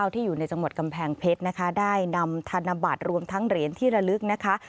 ที่อยู่ในจังหวัดกำแพงเพชรนะคะได้นำธนบัตรรวมทั้งเหรียญที่ระลึกนะคะ